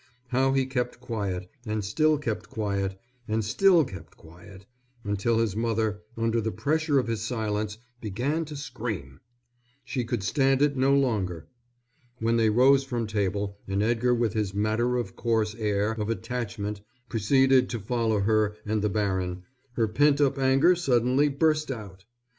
How he kept quiet, and still kept quiet, and still kept quiet, until his mother, under the pressure of his silence, began to scream. She could stand it no longer. When they rose from table and Edgar with his matter of course air of attachment preceded to follow her and the baron, her pent up anger suddenly burst out.